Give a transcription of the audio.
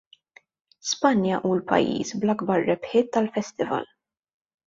Spanja hu l-pajjiż bl-akbar rebħiet tal-Festival.